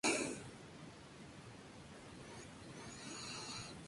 Entre las montañas y la costa hay extensas plantaciones de caucho.